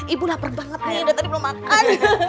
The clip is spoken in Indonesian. ibu lapar banget nih udah tadi belom makan